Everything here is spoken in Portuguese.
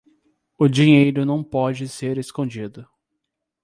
O dinheiro não pode ser escondido.